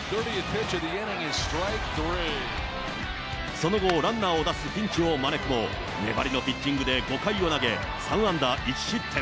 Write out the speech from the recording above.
その後、ランナーを出すピンチを招くも、粘りのピッチングで５回を投げ、３安打１失点。